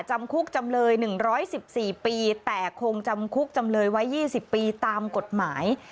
จำคุกจำเลย๑๑๔ปีแต่คงจำคุกจำเลยไว้๒๐ปีตามกฎหมาย